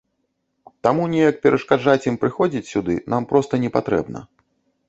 Таму неяк перашкаджаць ім прыходзіць сюды нам проста не патрэбна.